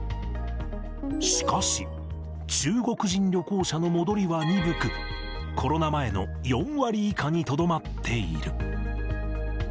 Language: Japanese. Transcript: しかし、中国人旅行者の戻りは鈍く、コロナ前の４割以下にとどまっている。